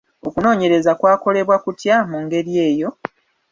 Okunoonyereza kwakolebwa kutya mu ngeri eyo?